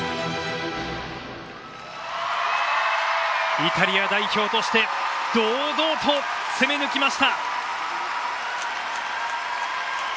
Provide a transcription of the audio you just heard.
イタリア代表として堂々と攻め抜きました。